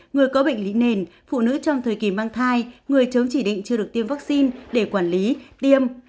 người có bệnh lý nền phụ nữ trong thời kỳ mang thai người chống chỉ định chưa được tiêm vaccine để quản lý tiêm